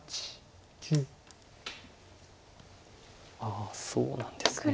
ああそうなんですね。